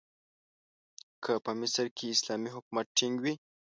که په مصر کې اسلامي حکومت ټینګ وي.